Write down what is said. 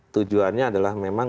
tujuannya adalah memang